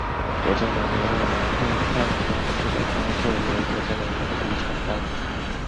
国家能源委员会办公室的工作由国家能源局承担。